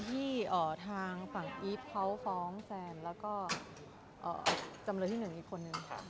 วันนี้เป็นคดีที่ทางฝั่งอีกเพาะฟ้องแซนแล้วก็จำนวนที่หนึ่งอีกคนหนึ่ง